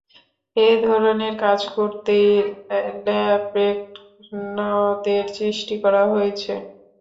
এ ধরণের কাজ করতেই ল্যাপ্রেকনদের সৃষ্টি করা হয়েছে।